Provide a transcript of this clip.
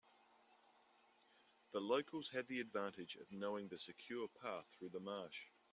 The locals had the advantage of knowing the secure path through the marsh.